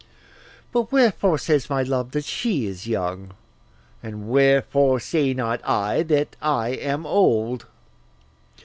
But wherefore says my love that she is young? And wherefore say not I that I am old?